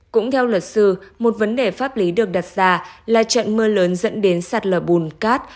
cũng theo luật sư một vấn đề pháp lý được đặt ra là trận mưa lớn dẫn đến sạt lở bùn cát